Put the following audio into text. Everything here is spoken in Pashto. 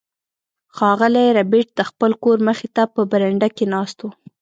ښاغلی ربیټ د خپل کور مخې ته په برنډه کې ناست و